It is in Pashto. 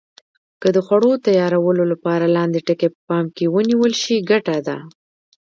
که د خوړو تیارولو لپاره لاندې ټکي په پام کې ونیول شي ګټه ده.